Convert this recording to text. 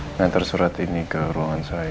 mengantar surat ini ke ruangan saya